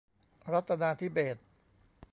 รัตนาธิเบศร์